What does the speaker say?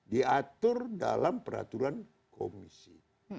diatur dalam peraturan komisi